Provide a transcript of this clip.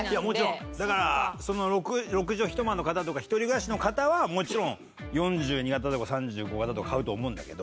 だから六畳一間の方とか一人暮らしの方はもちろん４２型とか３５型とか買うと思うんだけど。